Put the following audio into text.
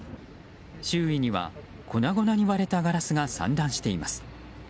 周囲には粉々に割れたガラスが散乱しています。